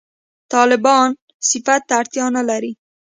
«طالبان» صفت ته اړتیا نه لري.